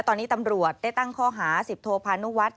ตอนนี้ตำรวจได้ตั้งข้อหา๑๐โทพานุวัฒน